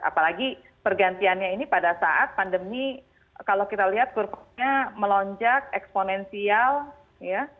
apalagi pergantiannya ini pada saat pandemi kalau kita lihat kurvanya melonjak eksponensial ya